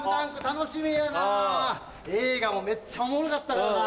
映画もめっちゃおもろかったからな。